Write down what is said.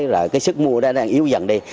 rồi cái sức mua đó đang yếu dần đi